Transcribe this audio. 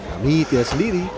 ini dia sendiri